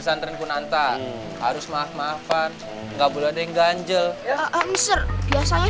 santren kunanta harus maaf maafan nggak boleh dengan jel jel biasanya